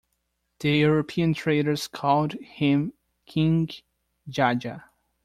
The European traders called him King Jaja.